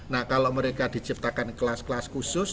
nah kalau mereka diciptakan kelas kelas khusus